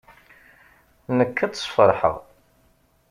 Nekk ad tt-sfeṛḥeɣ.